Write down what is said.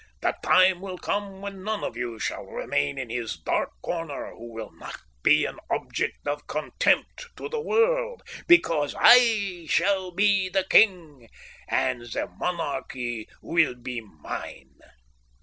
The time will come when none of you shall remain in his dark corner who will not be an object of contempt to the world, because I shall be the King, and the Monarchy will be mine."